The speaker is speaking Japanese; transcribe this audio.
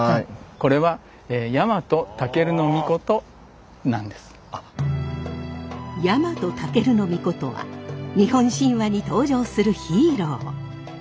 これは日本武尊は日本神話に登場するヒーロー。